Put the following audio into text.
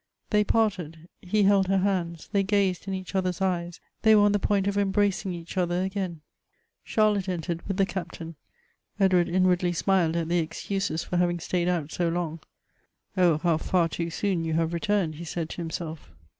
They parted — he held her hands ; they gazed in each other's eyes. They were on the point of embracing each other again. 5* 106 Goethe's Charlotte entered with the Captain. Edward inwardly smiled at their excuses for having stayed out so long. Oh ! how far too soon you have returned, he said to him self.